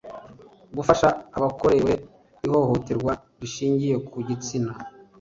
Gufasha abakorewe ihohoterwa rishingiye ku gitsina